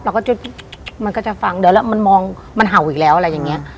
ก็จะมันก็จะฟังเดี๋ยวแล้วมันมองมันเห่าอีกแล้วอะไรอย่างนี้